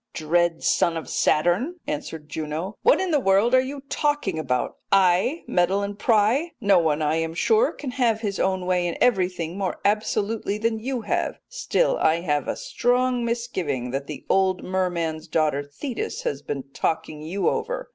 '" "'Dread son of Saturn,' answered Juno, 'what in the world are you talking about? I meddle and pry? No one, I am sure, can have his own way in everything more absolutely than you have. Still I have a strong misgiving that the old merman's daughter Thetis has been talking you over.